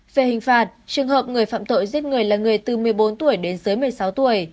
về hình phạt trường hợp người phạm tội giết người là người từ một mươi bốn tuổi đến dưới một mươi sáu tuổi